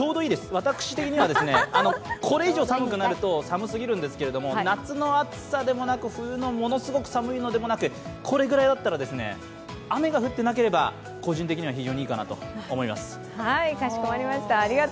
私的には、これ以上寒くなると寒すぎるんですけど夏の暑さでも、冬のものすごい寒さでもなく、これぐらいだったら、雨が降ってなければ、個人的には非常にいいかなと思います。